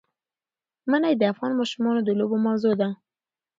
منی د افغان ماشومانو د لوبو موضوع ده.